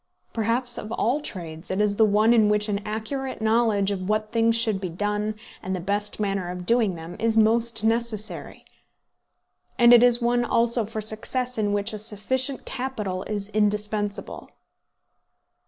Perhaps of all trades it is the one in which an accurate knowledge of what things should be done, and the best manner of doing them, is most necessary. And it is one also for success in which a sufficient capital is indispensable.